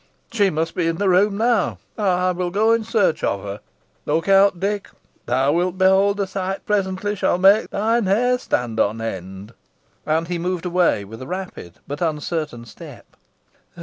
She must be in the room now. I will go in search of her. Look out, Dick. Thou wilt behold a sight presently shall make thine hair stand on end." And he moved away with a rapid but uncertain step.